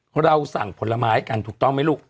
เราสั่งผลไม้กันถูกต้องไหมลูก